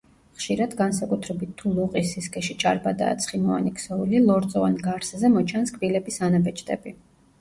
ხშირად, განსაკუთრებით თუ ლოყის სისქეში ჭარბადაა ცხიმოვანი ქსოვილი, ლორწოვან გარსზე მოჩანს კბილების ანაბეჭდები.